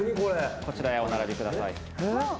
こちらへお並びください。